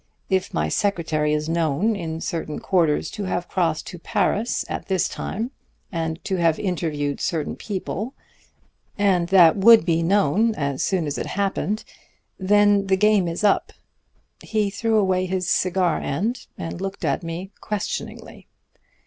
If my secretary is known in certain quarters to have crossed to Paris at this time and to have interviewed certain people and that would be known as soon as it happened then the game is up.' He threw away his cigar end and looked at me questioningly.